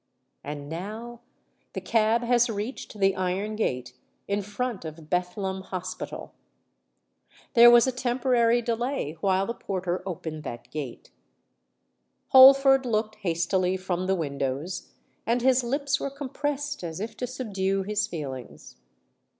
And now the cab has reached the iron gate in front of Bethlem Hospital. There was a temporary delay while the porter opened that gate. Holford looked hastily from the windows; and his lips were compressed as if to subdue his feelings.